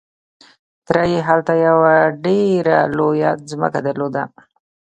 تره يې هلته يوه ډېره لويه ځمکه درلوده.